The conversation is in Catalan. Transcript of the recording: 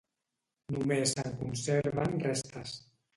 Només se'n conserven restes.